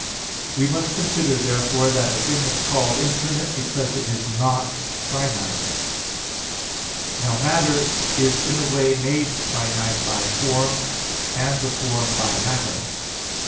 We must consider therefore that a thing is called infinite because it is not finite. Now matter is in a way made finite by form, and the form by matter.